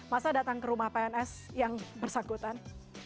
masa datang ke rumah pns yang bersangkutan